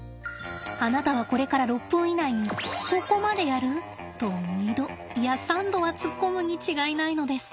あなたはこれから６分以内に「そこまでやる？」と２度いや３度は突っ込むに違いないのです。